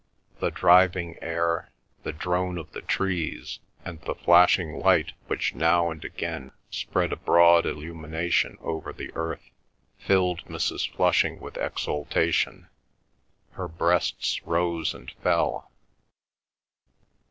The driving air, the drone of the trees, and the flashing light which now and again spread a broad illumination over the earth filled Mrs. Flushing with exultation. Her breasts rose and fell.